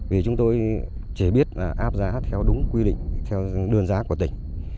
vì chúng tôi chỉ biết là áp giá theo đúng quy định theo đơn giá của tỉnh